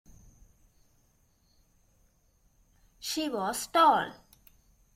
She was tall.